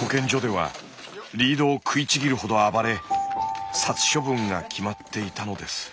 保健所ではリードを食いちぎるほど暴れ殺処分が決まっていたのです。